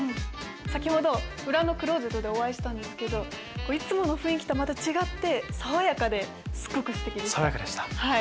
先ほど裏のクローゼットでお会いしたんですけどいつもの雰囲気とまた違って爽やかですごくすてきでした。